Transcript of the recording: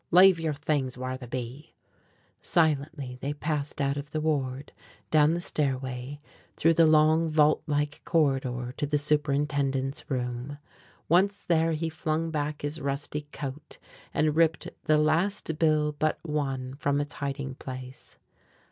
"Leave your things whar they be." Silently they passed out of the ward, down the stairway, through the long vaultlike corridor to the superintendent's room. Once there he flung back his rusty coat and ripped the last bill but one from its hiding place.